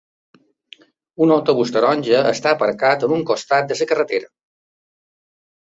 Un autobús taronja està aparcat en un costat de la carretera.